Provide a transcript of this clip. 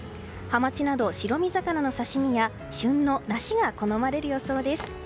ハマチなど、白身魚の刺し身や旬の梨が好まれる予想です。